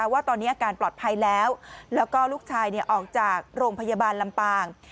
ว่าตอนนี้อาการปลอดภัยแล้วแล้วก็ลูกชายออกจากโรงพยาบาลลำปาง